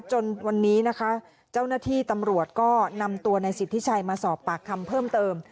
จนวันนี้นะคะเจ้าหน้าที่ตำรวจก็นำตัวในสิทธิชัยมาสอบปากคำเพิ่มเติม